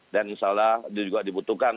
dan insya allah juga dibutuhkan